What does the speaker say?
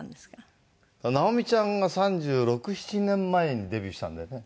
直美ちゃんが３６３７年前にデビューしたんだよね？